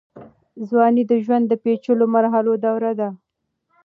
ځوانۍ د ژوند د پېچلو مرحلو دوره ده.